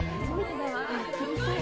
やってみたい。